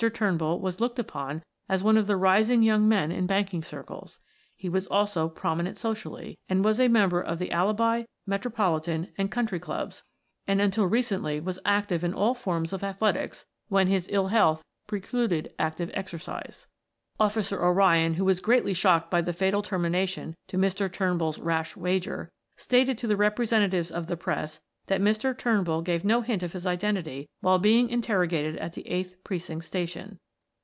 Turnbull was looked upon as one of the rising young men in banking circles; he was also prominent socially, was a member of the Alibi, Metropolitan, and Country Clubs, and until recently was active in all forms of athletics, when his ill health precluded active exercise. "Officer O'Ryan, who was greatly shocked by the fatal termination to Mr. Turnbull's rash wager, stated to the representatives of the press that Mr. Turnbull gave no hint of his identity while being interrogated at the 8th Precinct Station.